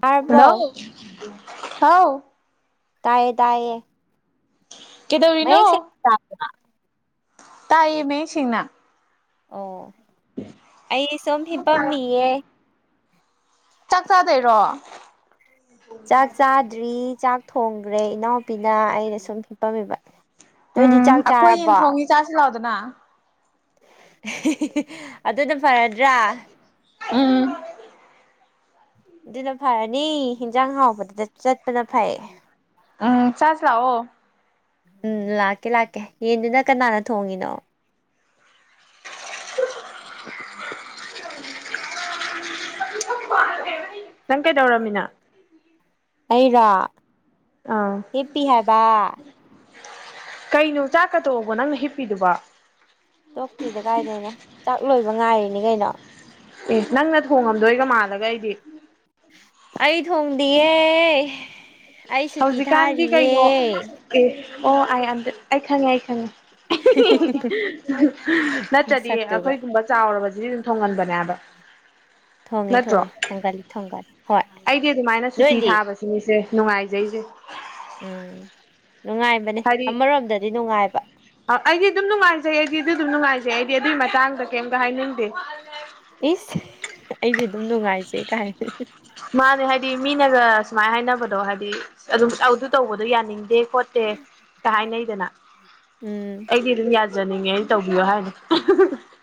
ꯇꯥꯔꯕꯣ ꯍꯜꯂꯣ ꯍꯥꯎ ꯇꯥꯏꯌꯦ ꯇꯥꯏꯌꯦ ꯀꯩꯗꯧꯔꯤꯅꯣ ꯃꯌꯦꯛ ꯁꯦꯡꯅ ꯇꯥꯕ꯭ꯔꯥ ꯇꯥꯏꯌꯦ ꯃꯌꯦꯛ ꯁꯦꯡꯅ ꯑꯣ ꯑꯩ ꯁꯨꯝ ꯍꯤꯄꯝꯃꯤꯌꯦ ꯆꯥꯛ ꯆꯥꯗꯣꯏꯔꯣ ꯆꯥꯛ ꯆꯥꯗ꯭ꯔꯤ ꯆꯥꯛ ꯊꯣꯡꯈ꯭ꯔꯦ ꯏꯅꯥꯎꯄꯤꯅ ꯑꯩꯅ ꯁꯨꯝ ꯍꯤꯞꯄꯝꯃꯤꯕ ꯅꯣꯏꯗꯤ ꯎꯝ ꯆꯥꯛ ꯑꯩꯈꯣꯏ ꯆꯥꯔꯕꯣ ꯌꯦꯟꯊꯣꯡꯉꯤ ꯆꯥꯁꯤ ꯂꯥꯎꯗꯅ ꯑꯗꯨꯅ ꯐꯔꯗ꯭ꯔꯥ ꯎꯝ ꯑꯗꯨꯅ ꯐꯔꯅꯤ ꯏꯟꯖꯥꯡ ꯍꯥꯎꯕꯗꯨꯗ ꯆꯠꯄꯅ ꯐꯔꯦ ꯎꯡ ꯆꯥꯁꯤ ꯂꯥꯎꯑꯣ ꯎꯝ ꯂꯥꯛꯀꯦ ꯂꯥꯛꯀꯦ ꯌꯦꯟꯗꯨꯅ ꯀꯅꯥꯅ ꯊꯣꯡꯉꯤꯅꯣ [inaudible] ꯅꯪ ꯀꯩꯗꯧꯔꯝꯃꯤꯅꯣ ꯑꯩꯔꯣ ꯑꯡ ꯍꯤꯞꯄꯤ ꯍꯥꯏꯕ ꯀꯩꯅꯣ ꯆꯥꯛꯀ ꯇꯣꯛꯑꯕꯣ ꯅꯪꯅ ꯍꯤꯞꯄꯤꯗꯨꯕꯣ ꯇꯣꯛꯇ꯭ꯔꯤꯗ ꯀꯥꯏꯗꯩꯅꯣ ꯆꯥꯛ ꯂꯣꯏꯕ ꯉꯥꯏꯔꯤꯅꯤ ꯀꯩꯅꯣ ꯑꯦ ꯅꯪꯅ ꯊꯣꯡꯉꯝꯗꯣꯏꯒ ꯃꯥꯜꯂꯒ ꯑꯩꯗꯤ ꯑꯩ ꯊꯣꯡꯗꯤꯌꯦ ꯑꯩ ꯁꯨꯇꯤ ꯍꯧꯖꯤꯛꯀꯥꯟꯗꯤ ꯊꯥꯔꯤꯌꯦ ꯀꯩꯅꯣ ꯑꯦ ꯑꯣ ꯑꯥꯢ ꯑꯟꯗꯦꯗ ꯑꯩ ꯈꯪꯉꯦ ꯑꯩ ꯈꯪꯉꯦ ꯅꯠꯇ꯭ꯔꯗꯤ ꯅꯁꯛꯇꯨꯒ ꯑꯩꯈꯣꯏꯒꯨꯝꯕ ꯆꯥꯎꯔꯕꯁꯤꯗꯤ ꯑꯗꯨꯝ ꯊꯣꯡꯍꯟꯕꯅꯦꯕ ꯊꯣꯡꯉꯦ ꯊꯣꯡꯉꯦ ꯊꯣꯡꯒꯜꯂꯤ ꯊꯣꯡꯒꯜꯂꯤ ꯑꯩꯗꯤ ꯑꯗꯨꯃꯥꯏꯅ ꯁꯨꯇꯤ ꯊꯥꯕꯁꯤꯅꯤꯁꯦ ꯅꯨꯡꯉꯥꯏꯖꯩꯁꯦ ꯎꯝ ꯅꯨꯡꯉꯥꯏꯕꯅꯦ ꯍꯥꯏꯗꯤ ꯑꯃꯔꯣꯝꯗꯗꯤ ꯅꯨꯡꯉꯥꯏꯕ ꯑꯩꯗꯤ ꯑꯗꯨꯝ ꯅꯨꯡꯉꯥꯏꯖꯩ ꯑꯩꯗꯤ ꯑꯗꯨ ꯑꯗꯨꯝ ꯅꯨꯡꯉꯥꯏꯖꯩ ꯑꯩꯗꯤ ꯑꯗꯨꯒꯤ ꯃꯇꯥꯡꯗ ꯀꯩꯝꯇ ꯍꯥꯏꯅꯤꯡꯗꯦ ꯏꯁ ꯑꯩꯁꯨ ꯑꯗꯨꯝ ꯅꯨꯡꯉꯥꯏꯖꯩ ꯀꯥꯏꯅ ꯃꯥꯅꯦ ꯍꯥꯏꯗꯤ ꯃꯤꯅꯒ ꯁꯨꯃꯥꯏꯅ ꯍꯥꯏꯅꯕꯗꯣ ꯍꯥꯏꯗꯤ ꯑꯗꯨꯝ ꯑꯗꯨ ꯇꯧꯕꯗꯣ ꯌꯥꯅꯤꯡꯗꯦ ꯈꯣꯠꯇꯦ ꯀ ꯍꯥꯏꯅꯩꯗꯅ ꯎꯝ ꯑꯩꯗꯤ ꯑꯗꯨꯝ ꯌꯥꯖꯅꯤꯡꯉꯦ ꯑꯩꯅ ꯇꯧꯕꯤꯌꯣ ꯍꯥꯏꯕ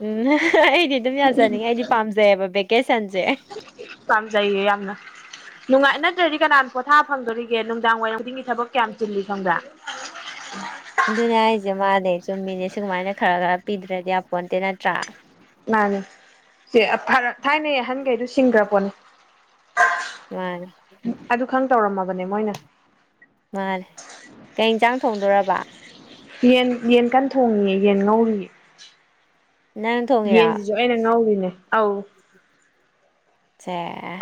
ꯎꯝ ꯑꯩꯗꯤ ꯑꯗꯨꯝ ꯌꯥꯖꯅꯤꯡꯉꯦ ꯑꯩꯗꯤ ꯄꯥꯝꯖꯩꯑꯕ ꯚꯦꯀꯦꯁꯟꯖꯦ ꯄꯥꯝꯖꯩꯌꯦ ꯌꯥꯝꯅ ꯅꯨꯡꯉꯥꯏ ꯅꯠꯇ꯭ꯔꯗꯤ ꯀꯅꯥꯅ ꯄꯣꯊꯥ ꯐꯪꯗꯣꯔꯤꯒꯦ ꯅꯨꯡꯗꯥꯡ ꯋꯥꯏꯔꯝ ꯈꯨꯗꯤꯡꯒꯤ ꯊꯕꯛ ꯀꯌꯥꯝ ꯆꯤꯜꯂꯤ ꯈꯪꯕ꯭ꯔꯥ ꯑꯗꯨꯅꯦ ꯍꯥꯏꯁꯦ ꯃꯅꯦ ꯆꯨꯝꯃꯤꯅꯦ ꯁꯨꯒꯃꯥꯏꯅ ꯈꯔ ꯈꯔ ꯄꯤꯗ꯭ꯔꯗꯤ ꯌꯥꯄꯣꯟꯇꯦ ꯅꯠꯇ꯭ꯔꯥ ꯃꯥꯅꯦ ꯁꯦ ꯊꯥꯏꯅꯩ ꯑꯍꯟꯈꯩꯗꯨ ꯁꯤꯡꯈ꯭ꯔ ꯄꯣꯠꯅꯤ ꯃꯥꯅꯦ ꯃꯣꯏꯅ ꯃꯥꯅꯦ ꯀꯩ ꯏꯟꯁꯥꯡ ꯊꯣꯡꯗꯣꯏꯔꯕ ꯌꯦꯟ ꯌꯦꯟ ꯀꯟꯅ ꯊꯣꯡꯉꯤꯌꯦ ꯌꯦꯟ ꯉꯧꯔꯤꯌꯦ ꯅꯪ ꯊꯣꯡꯉꯤꯔꯣ ꯌꯦꯟꯁꯤꯁꯨ ꯑꯩꯅ ꯉꯧꯔꯤꯅꯦ ꯑꯧ ꯁꯦ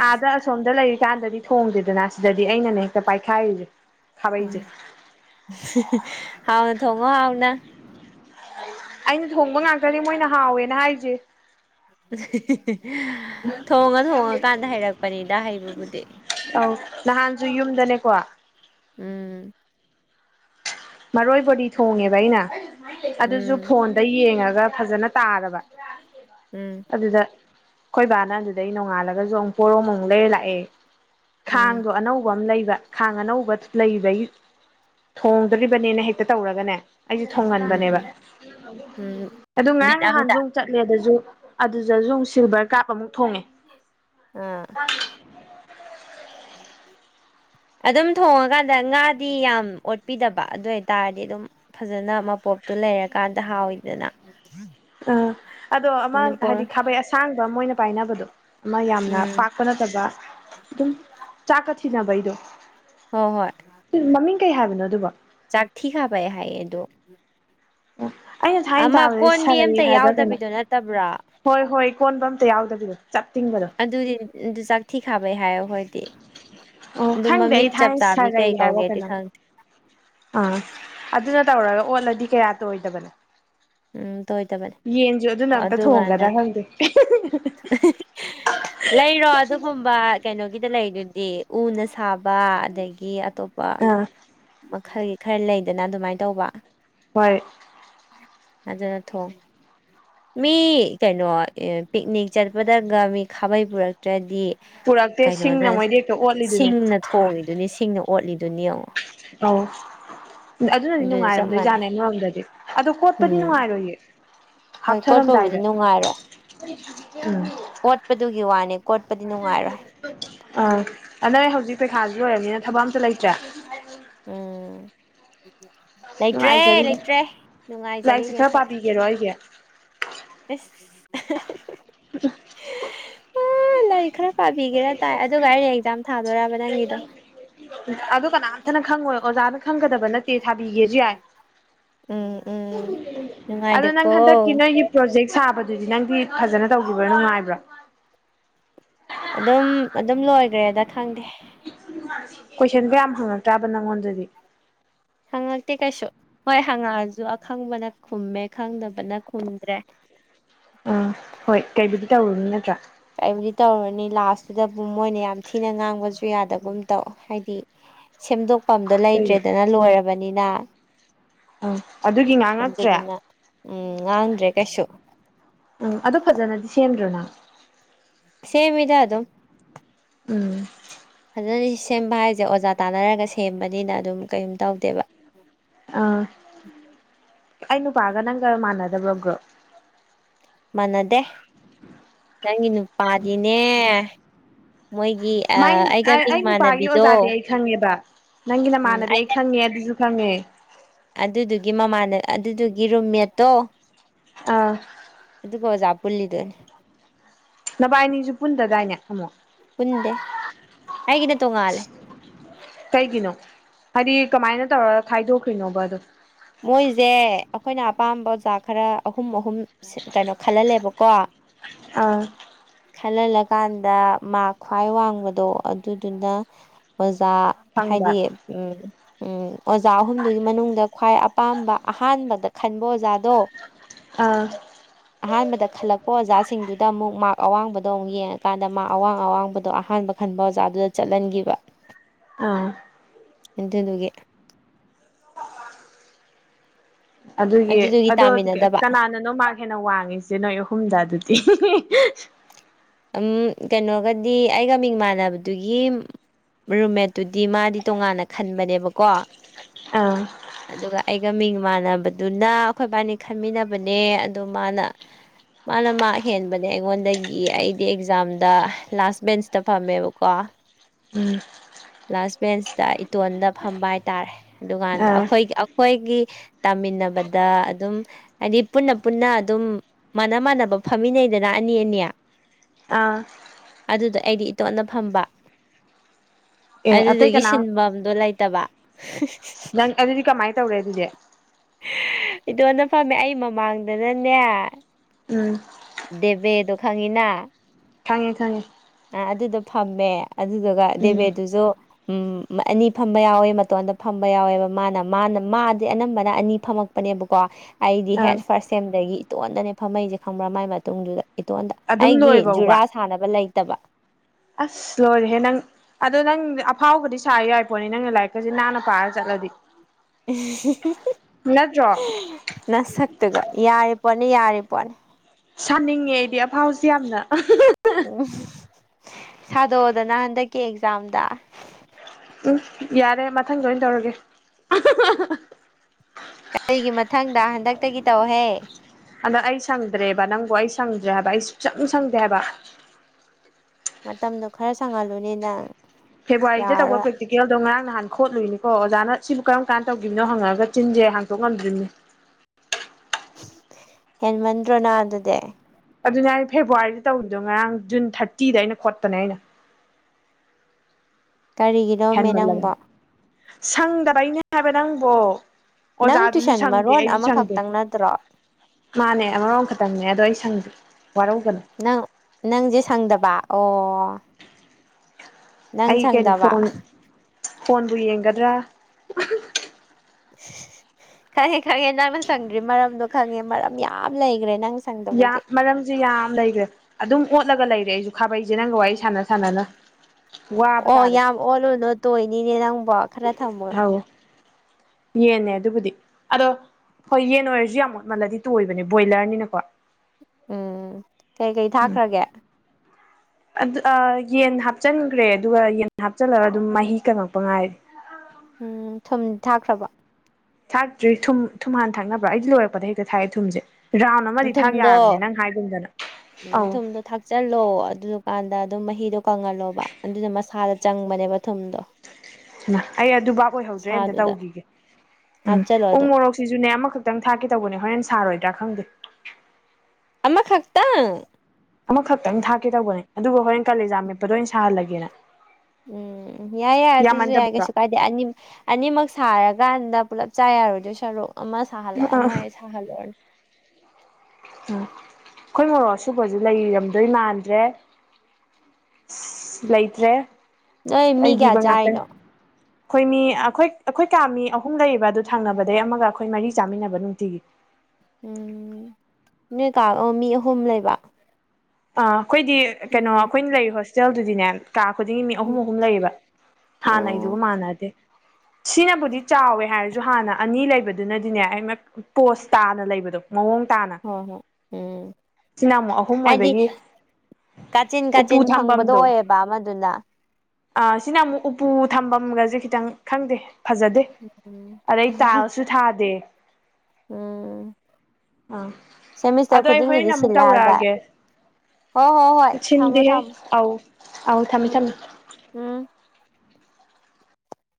ꯑꯥꯗ ꯑꯁꯣꯝꯗ ꯂꯩꯔꯤꯀꯥꯟꯗꯗꯤ ꯊꯣꯡꯗꯦꯗꯅ ꯁꯤꯗꯗꯤ ꯑꯩꯅꯅꯦ ꯍꯦꯛꯇ ꯄꯥꯏꯈꯥꯏꯔꯤꯁꯦ ꯎꯝ ꯈꯥꯕꯩꯁꯦ ꯍꯥꯎꯅ ꯊꯣꯡꯉꯣ ꯍꯥꯎꯅ ꯑꯩꯅ ꯊꯣꯡꯕ ꯉꯥꯛꯇꯅꯤ ꯃꯣꯏꯅ ꯍꯥꯎꯋꯦꯅ ꯍꯥꯏꯖꯦ ꯊꯣꯡꯉ ꯊꯣꯡꯉꯀꯥꯟꯗ ꯍꯩꯔꯛꯄꯅꯤꯗ ꯍꯩꯕꯕꯨꯗꯤ ꯑꯧ ꯅꯍꯥꯟꯁꯨ ꯌꯨꯝꯗꯅꯦꯀꯣ ꯎꯝ ꯃꯔꯣꯏ ꯕꯣꯔꯤ ꯊꯣꯡꯉꯦꯕ ꯑꯩꯅ ꯑꯗꯨꯁꯨ ꯎꯝ ꯐꯣꯟ ꯗꯩꯩ ꯌꯦꯡꯉꯒ ꯐꯖꯅ ꯇꯥꯔꯕ ꯎꯝ ꯑꯗꯨꯗ ꯑꯩꯈꯣꯏ ꯕꯥꯅ ꯑꯗꯨꯗꯩ ꯅꯣꯡꯉꯥꯜꯂꯒꯁꯨ ꯑꯃꯨꯛ ꯄꯣꯔꯣꯝ ꯑꯃꯨꯛ ꯂꯩꯔ ꯂꯥꯛꯑꯦ ꯎꯝ ꯈꯥꯡꯗꯣ ꯑꯅꯧꯕ ꯑꯃ ꯂꯩꯕ ꯈꯥꯡ ꯑꯅꯧꯕ ꯂꯩꯕꯒꯤ ꯊꯣꯡ ꯇꯧꯗꯧꯔꯤꯕꯅꯦꯅ ꯍꯦꯛꯇ ꯇꯧꯔꯒꯅꯦ ꯑꯩꯖꯨ ꯎꯝ ꯊꯣꯡꯍꯟꯕꯅꯦꯕ ꯎꯝ ꯎꯝ ꯑꯗꯨ ꯕꯤꯠ ꯉꯔꯥꯡ ꯑꯝꯗ ꯅꯍꯥꯟꯖꯨ ꯆꯠꯂꯦ ꯑꯗꯨꯁꯨ ꯑꯗꯨꯗꯁꯨ ꯑꯃꯨꯛ ꯁꯤꯜꯚꯔ ꯀꯥꯞ ꯑꯃꯨꯛ ꯊꯣꯡꯉꯦ ꯑꯥ [inaudible] ꯑꯗꯨꯝ ꯊꯣꯡꯉꯀꯥꯟꯗ ꯉꯥꯗꯤ ꯌꯥꯝ ꯑꯣꯠꯄꯤꯗꯕ ꯑꯗꯨ ꯑꯣꯏꯇꯥꯔꯗꯤ ꯑꯗꯨꯝ ꯐꯖꯅ ꯃꯄꯣꯞꯇꯨ ꯂꯩꯔꯀꯥꯟꯗ ꯍꯥꯎꯋꯤꯗꯅ ꯑꯥ ꯑꯗꯣ ꯑꯃ ꯑꯗꯨꯅ ꯄꯣꯔ ꯍꯥꯏꯗꯤ ꯈꯥꯕꯩ ꯑꯁꯥꯡꯕ ꯑꯃ ꯑꯣꯏꯅ ꯄꯥꯏꯅꯕꯗꯣ ꯑꯃ ꯌꯥꯝꯅ ꯎꯝ ꯄꯥꯛꯄ ꯅꯠꯇꯕ ꯑꯗꯨꯝ ꯆꯥꯛꯀ ꯊꯤꯅꯕꯩꯗꯣ ꯍꯣꯏ ꯍꯣꯏ ꯃꯃꯤꯡ ꯀꯩ ꯍꯥꯏꯕꯅꯣ ꯑꯗꯨꯕꯣ ꯆꯥꯛ ꯊꯤ ꯈꯥꯕꯩ ꯍꯥꯏꯌꯦ ꯑꯗꯣ ꯑꯣ ꯑꯩꯅ ꯊꯥꯏꯅ ꯑꯃ ꯇꯥꯕꯗ ꯀꯣꯟꯕꯤ ꯁꯥꯅꯥꯕꯤ ꯑꯝꯇ ꯍꯥꯏꯕ꯭ꯔꯥ ꯀꯩꯅꯣ ꯌꯥꯎꯗꯕꯤꯗꯣ ꯅꯠꯇꯕ꯭ꯔꯥ ꯍꯣꯏ ꯍꯣꯏ ꯀꯣꯟꯕ ꯑꯝꯇ ꯌꯥꯎꯗꯕꯤꯗꯣ ꯆꯞ ꯊꯤꯡꯕꯗꯣ ꯑꯗꯨꯗꯤ ꯑꯗꯨ ꯆꯥꯛꯊꯤ ꯈꯥꯕꯩ ꯍꯥꯏꯌꯦ ꯑꯈꯣꯏꯗꯤ ꯑꯣ ꯑꯗꯨ ꯈꯪꯗꯦ ꯑꯩ ꯃꯃꯤꯡ ꯆꯞ ꯊꯥꯏꯅ ꯆꯥꯕꯤ ꯁꯥꯔꯩ ꯀꯩ ꯍꯥꯏꯕ ꯀꯧꯒꯦꯗꯤ ꯀꯩꯅꯣ ꯈꯪꯗꯦ ꯑꯥ ꯑꯗꯨꯅ ꯇꯧꯔꯒ ꯑꯣꯜꯂꯗꯤ ꯀꯌꯥ ꯇꯣꯏꯗꯕꯅ ꯎꯝ ꯇꯣꯏꯗꯥꯕꯅꯦ ꯑꯗꯨꯅ ꯑꯝꯇ ꯑꯗꯨ ꯀꯥꯟꯗ ꯊꯣꯡꯒꯗ꯭ꯔꯥ ꯈꯪꯗꯦ ꯂꯩꯔꯣ ꯑꯗꯨꯒꯨꯝꯕ ꯀꯩꯅꯣꯒꯤꯗ ꯂꯩꯗꯨꯗꯤ ꯎꯅ ꯁꯥꯕ ꯑꯗꯒꯤ ꯑꯇꯣꯞꯄ ꯑꯥ ꯃꯈꯜ ꯈꯔ ꯂꯩꯗꯅ ꯑꯗꯨꯃꯥꯏꯅ ꯇꯧꯕ ꯍꯣꯏ ꯑꯗꯨꯅ ꯊꯣꯡ ꯃꯤ ꯀꯩꯅꯣ ꯄꯤꯛꯅꯤꯛ ꯆꯠꯄꯗꯒ ꯃꯤ ꯈꯥꯕꯩ ꯄꯨꯔꯛꯇ꯭ꯔꯗꯤ ꯄꯨꯔꯛꯇꯦ ꯁꯤꯡꯅ ꯃꯣꯏꯗ ꯍꯦꯛꯇ ꯑꯣꯠꯂꯤꯗꯨꯅꯦ ꯊꯣꯡꯏꯗꯨꯅꯤ ꯁꯤꯡꯅ ꯑꯣꯠꯂꯤꯗꯨꯅꯦ ꯌꯦꯉꯣ ꯑꯧ ꯑꯗꯨꯅꯗꯤ ꯑꯗꯨꯁꯨ ꯆꯞ ꯃꯥꯟꯅꯩ ꯅꯨꯡꯉꯥꯏꯔꯝꯗꯣꯏꯖꯅꯤ ꯑꯃꯔꯣꯝꯗꯗꯤ ꯑꯗꯨ ꯀꯣꯠꯄꯗꯤ ꯎꯝ ꯅꯨꯡꯉꯥꯏꯔꯣꯏꯌꯦ ꯍꯣꯏ ꯀꯣꯠꯄꯕꯨꯗꯤ ꯍꯥꯞꯊꯔꯝꯗꯥꯏꯗ ꯅꯨꯡꯉꯥꯏꯔꯣꯏ ꯎꯝ ꯑꯣꯠꯄꯗꯨꯒꯤ ꯋꯥꯅꯤ ꯀꯣꯠꯄꯗꯤ ꯅꯨꯡꯉꯥꯏꯔꯣꯏ ꯑꯥ ꯑꯗꯨ ꯅꯪ ꯑꯩ ꯍꯧꯖꯤꯛ ꯄꯩꯈꯥꯥꯁ ꯂꯣꯏꯔꯕꯅꯤꯅ ꯊꯕꯛ ꯑꯝꯇ ꯂꯩꯇ꯭ꯔꯦ ꯎꯝ ꯂꯩꯇ꯭ꯔꯦ ꯅꯨꯡꯉꯥꯏꯖꯔꯤ ꯂꯩꯇ꯭ꯔꯦ ꯂꯥꯏꯔꯤꯛꯁꯦ ꯅꯨꯡꯉꯥꯏꯖꯔꯤꯅꯤ ꯑꯩꯈꯣꯏ [unintelligible] [unintelligible] [inaudible] ꯑꯣ ꯂꯥꯏꯔꯤꯛ ꯈꯔ ꯄꯥꯕꯤꯒꯦꯔꯥ ꯇꯥꯏ ꯑꯗꯨꯒ ꯑꯩꯅ ꯑꯦꯛꯖꯥꯝ ꯊꯥꯗꯣꯔꯕ ꯅꯪꯒꯤꯗꯣ ꯑꯗꯨ ꯀꯅꯥꯝꯇꯅ ꯈꯪꯉꯣꯏ ꯑꯣꯖꯥꯅ ꯈꯪꯒꯗꯕ ꯅꯠ ꯇꯦ ꯊꯥꯕꯤꯒꯦꯁꯨ ꯌꯥꯏ ꯎꯝ ꯎꯝ ꯑꯗꯣ ꯅꯪ ꯅꯨꯡꯉꯥꯏꯗꯀꯣ ꯍꯟꯗꯛꯀꯤ ꯅꯣꯏꯒꯤ ꯄ꯭ꯔꯣꯖꯦꯛ ꯁꯥꯕꯗꯨꯗꯤ ꯅꯪꯗꯤ ꯐꯖꯅ ꯇꯧꯒꯤꯕ꯭ꯔꯥ ꯅꯨꯡꯉꯥꯏꯕ꯭ꯔꯥ ꯑꯗꯨꯝ ꯑꯗꯨꯝ ꯂꯣꯏꯒꯔꯦꯗ ꯈꯪꯗꯦ ꯀꯣꯏꯁꯟꯒ ꯌꯥꯝ ꯍꯪꯉꯛꯇ꯭ꯔꯥꯕ ꯅꯪꯉꯣꯟꯗꯗꯤ ꯍꯪꯉꯛꯇꯦ ꯀꯩꯁꯨ ꯍꯣꯏ ꯍꯉꯛꯑꯁꯨ ꯑꯈꯪꯕꯅ ꯈꯨꯝꯃꯦ ꯈꯪꯗꯕꯅ ꯈꯨꯝꯗ꯭ꯔꯦ ꯎꯝ ꯍꯣꯏ ꯀꯩꯕꯨꯗꯤ ꯇꯧꯔꯨꯅ ꯅꯠꯇ꯭ꯔꯥ ꯀꯕꯨꯗꯤ ꯇꯧꯔꯅꯤ ꯂꯥꯁꯇꯨꯗꯕꯨ ꯃꯣꯏꯅ ꯌꯥꯝ ꯊꯤꯅ ꯉꯥꯡꯕꯁꯨ ꯌꯥꯗꯕꯒꯨꯝ ꯇꯧ ꯍꯥꯏꯗꯤ ꯁꯦꯝꯗꯣꯛꯐꯝꯗꯣ ꯀꯩꯅꯣ ꯂꯩꯇ꯭ꯔꯦꯗꯅ ꯂꯣꯏꯔꯕꯅꯤꯅ ꯑꯥ ꯑꯗꯨꯒꯤ ꯉꯥꯡꯉꯛꯇ꯭ꯔꯦ ꯑꯗꯨꯗꯨꯅ ꯎꯝ ꯉꯥꯡꯗ꯭ꯔꯦ ꯀꯩꯁꯨ ꯎꯝ ꯑꯗꯨ ꯐꯖꯅꯗꯤ ꯁꯦꯝꯗ꯭ꯔꯣ ꯅꯪ ꯁꯦꯃꯤꯗ ꯑꯗꯨꯝ ꯎꯝ ꯐꯖꯅꯗꯤ ꯁꯦꯝꯕ ꯍꯥꯏꯁꯦ ꯑꯣꯖꯥ ꯇꯥꯟꯅꯔꯒ ꯁꯦꯝꯕꯅꯤꯅ ꯑꯗꯨꯝ ꯀꯩꯝ ꯇꯧꯗꯦꯕ ꯑꯥ ꯑꯩ ꯅꯨꯄꯥꯒ ꯅꯪꯒ ꯃꯥꯟꯅꯗꯕ꯭ꯔ ꯒ꯭ꯔꯣꯄ ꯃꯥꯟꯅꯗꯦ ꯅꯪꯒꯤ ꯅꯨꯄꯥꯗꯤꯅꯦ ꯃꯣꯏꯒꯤ ꯃꯥꯏ ꯑꯥ ꯑꯩꯒ ꯃꯤꯡ ꯑꯩ ꯅꯨꯄꯥꯒꯤ ꯃꯥꯟꯅꯕꯤꯗꯣ ꯑꯣꯖꯥꯗꯤ ꯑꯩ ꯈꯪꯉꯦꯕ ꯅꯪꯒꯤ ꯅꯃꯥꯟꯅꯕꯤ ꯑꯩ ꯈꯪꯉꯦ ꯑꯗꯨꯖꯨ ꯈꯪꯉꯦ ꯑꯗꯨꯗꯨꯒꯤ ꯃꯃꯥꯟꯅ ꯑꯗꯨꯗꯨꯒꯤ ꯔꯨꯝꯃꯦꯠꯇꯣ ꯑꯥ ꯑꯗꯨꯒꯥ ꯑꯣꯖꯥ ꯄꯨꯂꯤꯗꯨꯟ ꯅꯕꯥꯏꯅꯤꯖꯨ ꯄꯨꯟꯗꯗꯥꯏꯅꯦ ꯑꯃꯨꯛ ꯄꯨꯟꯗꯦ ꯑꯩꯒꯤꯅ ꯇꯣꯡꯉꯥꯜꯂꯦ ꯀꯩꯒꯤꯅꯣ ꯍꯥꯏꯗꯤ ꯀꯃꯥꯏꯅ ꯇꯧꯔꯒ ꯈꯥꯏꯗꯣꯛꯈ꯭ꯔꯤꯅꯣꯕ ꯑꯗꯨ ꯃꯣꯏꯖꯦ ꯑꯩꯈꯣꯏꯅ ꯑꯄꯥꯝꯕ ꯑꯣꯖꯥ ꯈꯔ ꯑꯍꯨꯝ ꯑꯍꯨꯝ ꯀꯩꯅꯣ ꯈꯜꯍꯜꯂꯦꯕꯀꯣ ꯑꯥ ꯈꯜꯍꯜꯂꯀꯥꯟꯗ ꯃꯥ ꯈ꯭ꯋꯥꯏ ꯋꯥꯡꯕꯗꯣ ꯑꯗꯨꯗꯨꯅ ꯑꯣꯖꯥ ꯈꯪꯕ ꯍꯥꯏꯗꯤ ꯎꯝ ꯎꯝ ꯑꯣꯖꯥ ꯑꯍꯨꯝꯗꯨꯒꯤ ꯃꯅꯨꯡꯗ ꯈ꯭ꯋꯥꯏ ꯑꯄꯥꯝꯕ ꯑꯍꯥꯟꯕꯗ ꯈꯟꯕ ꯑꯣꯖꯥꯗꯣ ꯑꯥ ꯑꯍꯥꯟꯕꯗ ꯈꯜꯂꯛꯄ ꯑꯣꯖꯥꯁꯤꯡꯗꯨꯗ ꯑꯃꯨꯛ ꯃꯥꯛ ꯑꯋꯥꯡꯕꯗꯣ ꯑꯃꯨꯛ ꯌꯦꯡꯉꯀꯥꯟꯗ ꯃꯥ ꯑꯋꯥꯡ ꯑꯋꯥꯡꯕꯗꯣ ꯑꯍꯥꯟꯕ ꯈꯟꯕ ꯑꯣꯖꯥꯗꯨꯗ ꯆꯠꯍꯟꯒꯤꯕ ꯑꯥ ꯑꯗꯨꯗꯨꯒꯤ ꯑꯗꯨꯏꯒꯤ ꯑꯗꯨꯗꯨꯒꯤ ꯑꯗꯣꯕ ꯇꯥꯃꯤꯟꯅꯗꯕ ꯀꯅꯥꯅ ꯅꯣ ꯃꯥꯛ ꯍꯦꯟꯅ ꯋꯥꯡꯉꯤꯁꯦ ꯅꯣꯏ ꯑꯍꯨꯝꯗ ꯑꯗꯨꯗꯤ ꯎꯝ ꯀꯩꯅꯣꯒꯗꯤ ꯑꯩꯒ ꯃꯤꯡ ꯃꯥꯟꯅꯕꯗꯨꯒꯤ ꯔꯨꯝꯃꯦꯠꯇꯨꯗꯤ ꯃꯥꯗꯤ ꯇꯣꯉꯥꯟꯅ ꯈꯟꯕꯅꯦꯕꯀꯣ ꯑꯥ ꯑꯗꯨꯒ ꯑꯩꯒ ꯃꯤꯡ ꯃꯥꯟꯅꯕꯗꯨꯅ ꯑꯈꯣꯏꯕꯥꯅꯤ ꯈꯟꯃꯤꯟꯅꯕꯅꯦ ꯑꯗꯨ ꯃꯥꯅ ꯃꯥꯅ ꯃꯥꯛ ꯍꯦꯟꯕꯅꯦ ꯑꯩꯉꯣꯟꯗꯒꯤ ꯑꯩ [unintelligible] ꯑꯦꯛꯖꯥꯝꯗ ꯂꯥꯁ ꯕꯦꯟꯁꯇ ꯐꯝꯃꯦꯕꯀꯣ ꯎꯝ ꯂꯥꯁ ꯕꯦꯟꯁꯇ ꯏꯇꯣꯟꯗ ꯐꯝꯕ ꯍꯥꯏꯇꯥꯔꯦ ꯑꯗꯨꯀꯥꯟꯗ ꯑꯥ ꯑꯩꯈꯣꯏ ꯑꯩꯈꯣꯏꯒꯤ ꯇꯥꯃꯤꯟꯅꯕꯗ ꯑꯗꯨꯝ ꯍꯥꯏꯗꯤ ꯄꯨꯟꯅ ꯄꯨꯟꯅ ꯑꯗꯨꯝ ꯃꯥꯟꯅ ꯃꯥꯟꯅꯕ ꯐꯝꯃꯤꯟꯅꯩꯗꯅ ꯑꯅꯤ ꯑꯅꯤ ꯑꯥ ꯑꯗꯨꯗ ꯑꯩꯗꯤ ꯏꯇꯣꯠꯅ ꯐꯝꯕ ꯑꯦ ꯑꯇꯩ ꯑꯗꯨꯗꯒꯤ ꯀꯅꯥ ꯁꯤꯟꯕꯝꯗꯣ ꯂꯩꯇꯕ ꯅꯪ ꯑꯗꯨꯗꯤ ꯀꯃꯥꯏꯅ ꯇꯧꯔꯦ ꯑꯗꯨꯗꯤ ꯏꯇꯣꯟꯅ ꯐꯝꯃꯦ ꯑꯩ ꯃꯃꯥꯡꯗꯅꯅꯦ ꯎꯝ ꯗꯦꯕꯦꯗꯣ ꯈꯪꯉꯤꯅ ꯈꯪꯉꯦ ꯈꯪꯉꯦ ꯑ ꯑꯗꯨꯗꯣ ꯐꯝꯃꯦ ꯑꯗꯨꯗꯨꯒ ꯎꯝ ꯗꯦꯕꯦꯗꯨꯖꯨ ꯎꯝ ꯑꯅꯤ ꯐꯝꯕ ꯌꯥꯎꯋꯦ ꯃꯇꯣꯟꯗ ꯐꯝꯕ ꯌꯥꯎꯋꯦꯕ ꯃꯥꯅ ꯃꯥꯅ ꯃꯥꯗꯤ ꯑꯅꯝꯕꯅ ꯑꯅꯤ ꯐꯝ ꯄꯅꯦꯕꯀꯣ ꯑꯩꯗꯤ ꯍꯦꯛ ꯑꯪ ꯐꯥꯔꯁ ꯁꯦꯝꯗꯒꯤ ꯏꯇꯣꯟꯗꯅꯦ ꯐꯝꯃꯩꯁꯦ ꯈꯪꯕ꯭ꯔꯥ ꯃꯥꯏ ꯃꯇꯨꯡꯗꯨꯗ ꯏꯇꯣꯟꯗ ꯑꯗꯨꯝ ꯑꯩꯒꯤ ꯖꯨꯔꯥ ꯂꯣꯏꯐꯧꯕ ꯁꯥꯅꯕ ꯂꯩꯇꯕ ꯑꯁ ꯂꯣꯏꯔ‌ꯦꯍꯦ ꯅꯪ ꯑꯗꯣ ꯅꯪ ꯑꯐꯥꯎꯒꯗꯤ ꯁꯥ ꯌꯥꯏ ꯄꯣꯠꯅꯤ ꯅꯪꯅ ꯂꯥꯏꯔꯤꯛꯀꯖ‌ꯦ ꯅꯥꯟꯅ ꯄꯥꯔ ꯆꯠꯂꯗꯤ ꯅꯠꯇ꯭ꯔꯣ ꯅꯁꯛꯇꯨꯒ ꯌꯥꯔꯤ ꯄꯣꯠꯅꯤ ꯌꯥꯔꯤ ꯄꯣꯠꯅꯤ ꯁꯥꯅꯤꯡꯉꯦ ꯑꯩꯗꯤ ꯑꯐꯥꯎꯁꯦ ꯌꯥꯝꯅ ꯁꯥꯗꯣꯛꯑꯣꯗꯅ ꯍꯟꯗꯛꯀꯤ ꯑꯦꯛꯖꯥꯝꯗ ꯎꯝ ꯌꯥꯔꯦ ꯃꯊꯪꯗ ꯑꯣꯏꯟ ꯇꯧꯔꯒꯦ ꯀꯔꯤꯒꯤ ꯃꯊꯪꯗ ꯍꯟꯗꯛꯇꯒꯤ ꯇꯧꯍꯦ ꯑꯗ ꯑꯩ ꯁꯪꯗ꯭ꯔꯦꯕ ꯅꯪꯕꯨ ꯑꯩ ꯁꯪꯗ꯭ꯔꯦ ꯍꯥꯏꯕ ꯑꯩ ꯁꯨꯛꯁꯪ ꯁꯪꯗꯦ ꯍꯥꯏꯕ ꯃꯇꯝꯗꯣ ꯈꯔ ꯁꯉꯜꯂꯨꯅꯦ ꯅꯪ ꯐ‌ꯦꯕꯋꯥꯔꯤꯗꯥ ꯇꯧꯕꯥ ꯌꯥꯔꯔꯣꯏ ꯄꯔ‌ꯦꯛ ꯇꯤꯀꯦꯜꯗꯣ ꯉꯔꯥꯡ ꯅꯥꯍꯟ ꯈꯣꯠꯂꯨꯏꯅꯤꯀꯣ ꯑꯣꯖꯥꯅ ꯁꯤꯕꯨ ꯀꯔꯝ ꯀꯥꯟ ꯇꯧꯒꯤꯝꯅꯣ ꯍꯪꯉꯑꯒ ꯆꯤꯟꯖ‌ꯦ ꯍꯥꯡꯇꯣꯛ ꯉꯝꯗꯔꯤꯅꯤ ꯍꯦꯟꯃꯟꯗ꯭ꯔꯣ ꯅꯥ ꯑꯗꯨꯗꯤ ꯑꯗꯨꯅꯦ ꯑꯩ ꯐꯦꯕꯋꯥꯔꯤ ꯇꯧꯔꯤꯗꯣ ꯉꯔꯥꯡ ꯖꯨꯟ ꯊꯥꯔꯇꯤꯗ ꯑꯩꯅ ꯈꯣꯠꯄꯅꯦ ꯑꯩꯅ ꯀꯔꯤꯒꯤ ꯍꯦꯟꯃꯜꯂꯕꯅ‌ꯦ ꯁꯪꯗꯕꯩꯅ‌ꯦ ꯍꯥꯏꯕ ꯅꯪ ꯕꯣ ꯅꯪ ꯑꯣꯖꯥ ꯗꯨꯖꯨ ꯇꯨꯏꯁꯟ ꯁꯪꯗꯦ ꯃꯔꯣꯟ ꯑꯩꯖꯨ ꯁꯪꯗꯦ ꯑꯃꯈꯛꯇꯪ ꯅꯠꯇ꯭ꯔꯣ ꯃꯥꯅꯦ ꯑꯃꯔꯣꯝ ꯈꯇꯪꯅꯦ ꯑꯗꯣ ꯑꯩ ꯁꯪꯗ‌ꯦ ꯋꯥꯔꯧꯒꯅ‌ꯣ ꯅꯪ ꯅꯪꯖ‌ꯦ ꯁꯪꯗꯕ ꯑꯣ ꯅꯪ ꯑꯩ ꯀꯩꯅꯣ ꯁꯪꯗꯕ ꯐꯣꯟ ꯐꯣꯟꯕꯨ ꯌꯦꯡꯒꯗ꯭ꯔꯥ ꯈꯪꯉꯦ ꯈꯪꯉꯦ ꯅꯪꯅ ꯁꯪꯗ꯭ꯔꯤ ꯃꯔꯝꯗꯣ ꯈꯪꯉꯦ ꯃꯔꯝ ꯌꯥꯝ ꯂꯩꯒ꯭ꯔꯦ ꯅꯪ ꯁꯪꯗꯕꯒꯤ ꯌꯥꯝ ꯃꯔꯝꯖ‌ꯦ ꯌꯥꯝ ꯂꯩꯒ꯭ꯔꯦ ꯑꯗꯨꯝ ꯑꯣꯠꯂꯒ ꯂꯩꯔꯦ ꯑꯩꯖꯨ ꯈꯥꯕꯩꯖ‌ꯦ ꯅꯪꯒ ꯋꯥꯔꯤ ꯁꯅꯥ ꯁꯅꯥꯅ ꯑꯣ ꯌꯥꯝ ꯑꯣꯠꯂꯨꯅ‌ꯣ ꯇꯣꯏꯅꯤꯅꯦ ꯅꯪꯕ‌ꯣ [unintelligible] ꯌꯦꯟꯅꯦ ꯑꯗꯨꯕꯨꯗꯤ ꯑꯗꯣ ꯍꯣꯏ ꯌꯦꯟ ꯑꯣꯏꯔꯖꯨ ꯌꯥꯝ ꯃ‌ꯣꯠꯃꯜꯂꯗꯤ ꯇꯣꯏꯕꯅꯦ ꯕꯣꯏꯂꯔꯅꯤꯅꯀꯣ ꯎꯝ ꯀꯩꯀꯩ ꯊꯥꯛꯈ꯭ꯔꯒꯦ ꯑꯗꯨ ꯑꯥ ꯌꯦꯟ ꯍꯥꯞꯆꯟꯒ꯭ꯔꯦ ꯑꯗꯨꯒ ꯌꯦꯟ ꯍꯥꯞꯆꯜꯂꯒ ꯑꯗꯨꯝ ꯃꯍꯤ ꯀꯉꯛꯄ ꯉꯥꯏ ꯎꯝ ꯊꯨꯝ ꯊꯥꯛꯈ꯭ꯔꯕ‌ꯣ ꯊꯥꯛꯇ꯭ꯔꯤ ꯊꯨꯝ ꯊꯨꯝꯍꯥꯟ ꯊꯥꯛꯅꯕ꯭ꯔꯥ ꯑꯩꯗꯤ ꯂꯣꯏꯔꯛꯄꯗ ꯍꯦꯛꯇ ꯊꯥꯛꯑꯦ ꯊꯨꯝꯖ‌ꯦ ꯔꯥꯎꯟ ꯑꯃꯗꯤ ꯊꯥꯛ ꯊꯨꯝꯗꯣ ꯌꯥꯔꯕꯅ‌ꯦ ꯅꯪ ꯍꯥꯏꯒꯨꯝꯗꯅ ꯑꯧ ꯆꯠꯂꯣ ꯑꯗꯨꯗꯨꯀꯥꯟꯗ ꯑꯗꯨꯝ ꯃꯍꯤꯗꯣ ꯀꯪꯍꯜꯂꯣꯕ ꯑꯗꯨꯅ ꯃꯁꯥꯗ ꯆꯪꯕꯅꯦꯕ ꯊꯨꯝꯗꯣ ꯍꯩꯃꯥ ꯑꯩ ꯑꯗꯨ ꯕꯥꯞ ꯑꯣꯏꯍꯧꯗ꯭ꯔꯦ ꯑꯩ ꯑꯝꯇ ꯁꯥꯗꯨꯗ ꯇꯧꯒꯤꯒꯦ ꯎꯝ ꯍꯥꯞꯆꯜꯂꯣ ꯎ ꯑꯗꯨꯝ ꯃꯣꯔꯣꯛ ꯁꯤꯖꯨꯅꯦ ꯑꯃꯈꯛꯇꯪ ꯊꯥꯛꯀꯦ ꯇꯧꯕꯅꯦ ꯍꯣꯔꯦꯟ ꯁꯥꯔꯣꯏꯗ꯭ꯔꯥ ꯈꯪꯗꯦ ꯑꯃꯥ ꯈꯛꯇꯪ ꯑꯃꯥ ꯈꯛꯇꯪ ꯊꯥꯛꯀꯦ ꯇꯧꯕꯅꯦ ꯑꯗꯨꯒ ꯍꯣꯔꯦꯟ ꯀꯥꯂ‌ꯦꯖꯥꯝ ꯃꯦꯠꯄꯗ ꯑꯣꯏ ꯁꯥꯍꯜꯂꯒꯦꯅ ꯎꯝ ꯌꯥꯏ ꯌꯥꯏ ꯑꯗꯨꯖꯨ ꯌꯥꯏ ꯌꯥꯝꯃꯟꯗꯕ꯭ꯔꯣ ꯑꯥ ꯀꯩꯁꯨ ꯀꯥꯏꯗꯦ ꯌꯥꯅꯤꯝ ꯑꯅꯤꯃꯛ ꯁꯥꯔꯀꯥꯟꯗ ꯄꯨꯂꯞ ꯆꯥ ꯌꯥꯔꯣꯏꯗꯣꯏ ꯁꯔꯨꯛ ꯑꯃꯥ ꯁꯥꯍꯜꯂ ꯑꯃꯥ [unintelligible] ꯎꯝ ꯈꯣꯏ ꯃ‌ꯣꯔꯣꯛ ꯑꯁꯨꯕꯖꯨ ꯂꯩꯔꯝꯗꯣꯏ ꯃꯥꯟꯗ꯭ꯔꯦ ꯂꯩꯇ꯭ꯔꯦ ꯅꯣꯏ ꯃꯤ ꯀꯌꯥ ꯑꯩꯗꯤꯕ ꯉꯥꯛꯇꯪ ꯆꯥꯔꯤꯅꯣ ꯈꯣꯏ ꯃꯤ ꯑꯈꯣꯏ ꯑꯈꯣꯏ ꯀꯥ ꯃꯤ ꯑꯍꯨꯝ ꯂꯩꯌꯦꯕ ꯑꯗꯨ ꯊꯪꯅꯕꯗꯩ ꯑꯃꯥꯒ ꯑꯩꯈꯣꯏ ꯃꯔꯤ ꯆꯥꯃꯤꯟꯅꯕ ꯅꯨꯡꯇꯤꯒꯤ ꯎꯝ ꯅꯣꯏ ꯀꯥ ꯑ‌ꯣ ꯃꯤ ꯑꯍꯨꯝ ꯂꯩꯕ ꯑ ꯈꯣꯏꯗꯤ ꯀꯩꯅꯣ ꯎꯝ ꯑꯈꯣꯏꯅ ꯂꯩꯔꯤ ꯍꯣꯁꯇꯦꯜ ꯗꯨꯗꯤꯅꯦ ꯀꯥ ꯈꯨꯗꯤꯡꯒꯤ ꯃꯤ ꯑꯍꯨꯝ ꯎꯝ ꯑꯍꯨꯝ ꯂꯩꯌꯦꯕ ꯍꯥꯟ ꯅꯩꯗꯨꯒ ꯑꯣ ꯃꯥꯟꯅꯗꯦ ꯁꯤꯅꯕꯨꯗꯤ ꯆꯥꯎꯋꯦ ꯍꯥꯏꯔꯁꯨ ꯑꯗꯨꯨ ꯍꯥꯟꯅ ꯑꯅꯤ ꯂꯩꯕꯗꯨꯅꯗꯤꯅꯦ ꯑꯩꯅ ꯄꯣꯁ ꯇꯥꯅ ꯂꯩꯕꯗꯣ ꯃꯑꯣꯡ ꯇꯥꯅ ꯍꯣꯏ ꯍꯣꯏ ꯎꯝ ꯏꯆꯤꯟ ꯏꯅꯥꯎ ꯑꯃꯨꯛ ꯑꯍꯨꯝ ꯍꯥꯏꯗꯤ ꯑꯣꯏꯕꯒꯤ ꯀꯥꯆꯤꯟ ꯎꯄꯨ ꯀꯥꯆꯤꯟ ꯐꯪꯕꯗꯣ ꯊꯝꯐꯝꯗꯣ ꯑꯣꯏꯌꯦꯕ ꯑꯃꯗꯨꯅ ꯑꯥ ꯁꯤꯅ ꯑꯃꯨꯛ ꯎꯄꯨ ꯊꯝꯐꯝꯒꯁꯦ ꯈꯤꯇꯪ ꯈꯪꯗꯦ ꯐꯖꯗꯦ ꯎꯝ ꯑꯗꯩ ꯇꯥꯏꯜꯁꯨ ꯊꯥꯗꯦ ꯎꯝ ꯑꯥ ꯁꯦꯃꯤꯁꯇꯔ ꯑꯗꯣ ꯑꯩ ꯈꯨꯗꯤꯡꯒꯤꯗꯤ ꯍꯣꯔꯦꯟ ꯑꯃꯨꯛ ꯁꯤꯜꯂꯦ ꯍꯥꯏꯇꯥꯔꯦ ꯇꯧꯔꯛꯑꯒꯦ ꯍꯣꯏ ꯍꯣꯏ ꯍꯣꯏ ꯊꯝꯃꯣ ꯁꯤꯟꯗꯦꯍꯦ ꯊꯝꯃꯣ ꯑꯧ ꯑꯧ ꯊꯝꯃꯦ ꯎꯝ ꯊꯝꯃꯦ ꯎꯝ ꯎꯝ